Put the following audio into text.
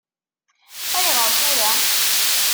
Ayɣer tura?